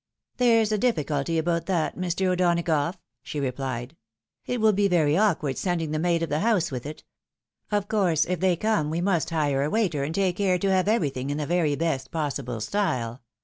" There's a difficulty about that, Mr. O'Donagough," she re plied. " It win be very awkward sending the maid of the house vrith it. Of course, if they come, we must hire a waiter, and take care to have everything in the very best possible style.